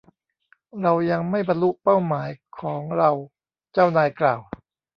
เรายังไม่บรรลุเป้าหมายของเราเจ้านายกล่าว